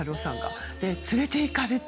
それで、連れていかれて。